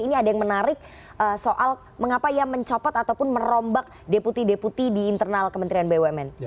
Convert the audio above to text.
ini ada yang menarik soal mengapa ia mencopot ataupun merombak deputi deputi di internal kementerian bumn